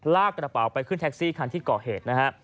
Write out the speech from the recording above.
ลากกระเป๋าไปขึ้นแท็กซี่คันที่ก่อเหตุนะฮะ